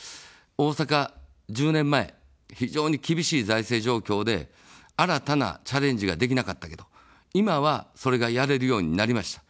大阪１０年前、非常に厳しい財政状況で、新たなチャレンジができなかったけど、今は、それがやれるようになりました。